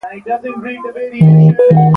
د مصر دفتر د هند نامطلوب کسان مالټا ته واستول.